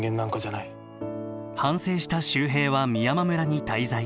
反省した秀平は美山村に滞在。